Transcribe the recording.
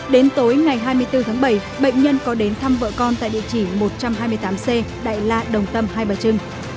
đến tối ngày hai mươi bốn tháng bảy bệnh nhân có đến thăm vợ con tại địa chỉ một trăm hai mươi tám c đại la đồng tâm hai bà trưng